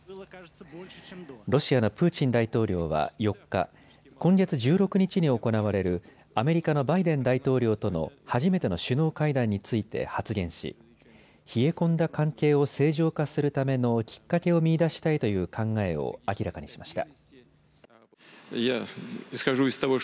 ロシアのプーチン大統領は４日、今月１６日に行われるアメリカのバイデン大統領との初めての首脳会談について発言し冷え込んだ関係を正常化するためのきっかけを見いだしたいという考えを明らかにしました。